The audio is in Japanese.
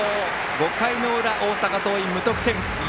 ５回の裏、大阪桐蔭、無得点。